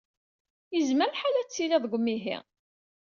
Yezmer lḥal ad tilid deg umihi.